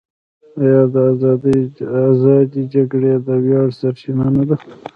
آیا د ازادۍ جګړې د ویاړ سرچینه نه ده؟